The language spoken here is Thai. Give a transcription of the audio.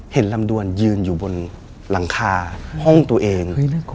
ลำดวนยืนอยู่บนหลังคาห้องตัวเอง